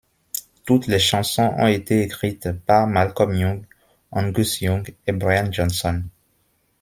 Toutes les chansons ont été écrites par Malcolm Young, Angus Young et Brian Johnson.